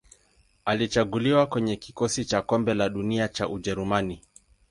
Alichaguliwa kwenye kikosi cha Kombe la Dunia cha Ujerumani.